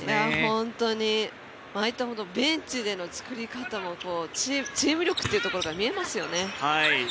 本当に、ああいったベンチでの作り方もチーム力っていうところが見えますよね。